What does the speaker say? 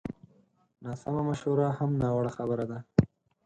ناسمه مشوره هم ناوړه خبره ده